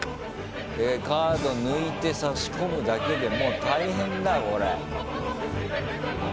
カード抜いて差し込むだけでもう大変だよこれ。